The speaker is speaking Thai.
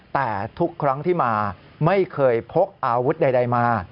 แต่ทุกครั้งที่มาไม่เคยพกอาวุธใดมา